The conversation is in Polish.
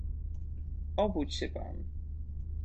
"Obudź się pan!"